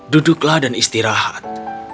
duduklah dan istirahat